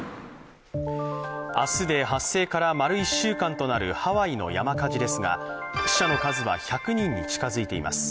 明日で発生から丸１週間となるハワイの山火事ですが死者の数は１００人に近づいています。